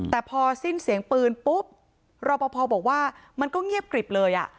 แต่พอสิ้นเสียงปืนปุ๊บรอปภบอกว่ามันก็เงียบกริบเลย